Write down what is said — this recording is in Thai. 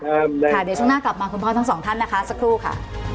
เดี๋ยวช่วงหน้ากลับมาคุณพ่อทั้งสองท่านนะคะสักครู่ค่ะ